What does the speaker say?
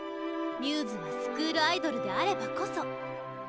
μ’ｓはスクールアイドルであればこそ。